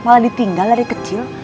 malah ditinggal dari kecil